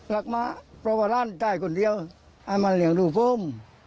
รักมากเปล่าว่าหลานตายคนเดียวมาเลี้ยงดูเพิ่ม